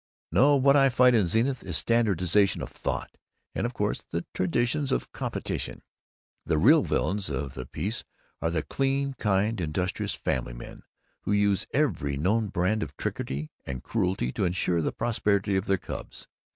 "No, what I fight in Zenith is standardization of thought, and, of course, the traditions of competition. The real villains of the piece are the clean, kind, industrious Family Men who use every known brand of trickery and cruelty to insure the prosperity of their cubs.